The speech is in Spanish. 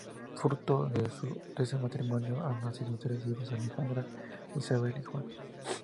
Fruto de este matrimonio han nacido tres hijos: Alejandra, Isabella y Juan.